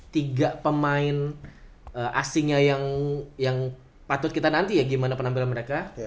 tiga pemain asingnya yang patut kita nanti ya gimana penampilan mereka